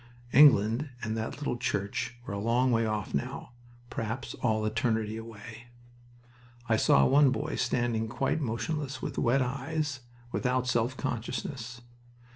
England and that little church were a long way off now, perhaps all eternity away. I saw one boy standing quite motionless, with wet eyes, without self consciousness.